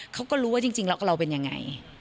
เขาก็รู้ว่าจริงแล้วเราเป็นยังไง